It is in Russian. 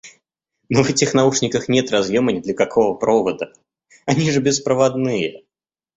Но в этих наушниках нет разъёма ни для какого провода, они же беспроводные!